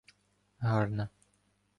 гарна.